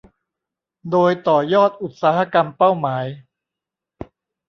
โดยต่อยอดอุตสาหกรรมเป้าหมาย